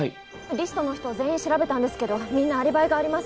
リストの人全員調べたんですけどみんなアリバイがあります。